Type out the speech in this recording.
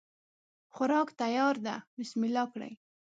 خوراک تیار ده بسم الله کړی